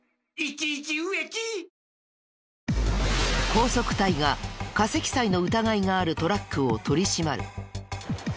高速隊が過積載の疑いがあるトラックを取り締まる。